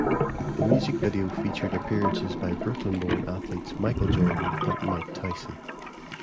The music video featured appearances by Brooklyn-born athletes Michael Jordan and Mike Tyson.